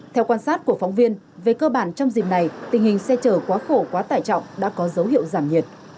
theo quan sát của phóng viên về cơ bản trong dịp này tình hình xe chở quá khổ quá tải trọng đã có dấu hiệu giảm nhiệt